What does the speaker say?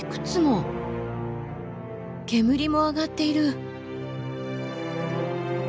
煙も上がっている。